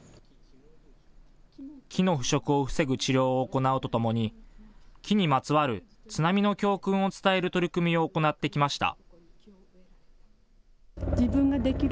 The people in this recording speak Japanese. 木の腐食を防ぐ治療を行うとともに木にまつわる津波の教訓を伝える取り組みを行ってきました。